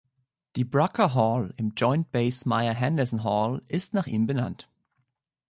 Die Brucker Hall im Joint Base Myer-Henderson Hall ist nach ihm benannt.